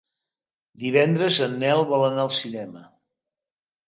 Divendres en Nel vol anar al cinema.